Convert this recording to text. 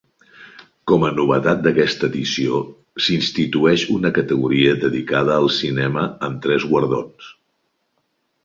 Com a novetat d'aquesta edició s'institueix una categoria dedicada al cinema, amb tres guardons.